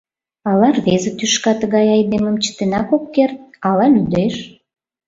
Ала рвезе тӱшка тыгай айдемым чытенак ок керт, ала лӱдеш.